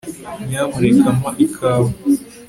nyamuneka mpa ikawa